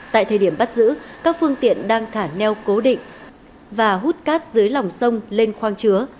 tại thời điểm bắt giữ các phương tiện đang khả neo cố định và hút cát dưới lòng sông lên khoang chứa